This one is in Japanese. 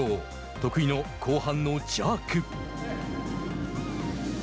得意の後半のジャーク。